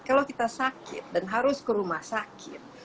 kalau kita sakit dan harus ke rumah sakit